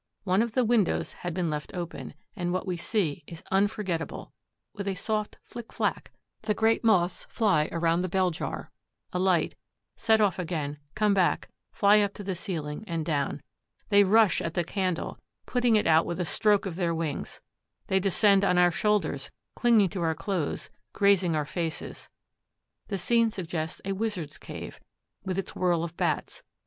One of the windows had been left open, and what we see is unforgetable. With a soft flick flack the great Moths fly around the bell jar, alight, set off again, come back, fly up to the ceiling and down. They rush at the candle, putting it out with a stroke of their wings; they descend on our shoulders, clinging to our clothes, grazing our faces. The scene suggests a wizard's cave, with its whirl of Bats.